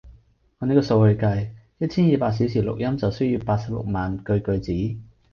按呢個數去計，一千二百小時錄音就需要八十六萬句句子